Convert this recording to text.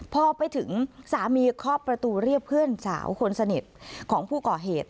พอไปถึงสามีเคาะประตูเรียกเพื่อนสาวคนสนิทของผู้ก่อเหตุ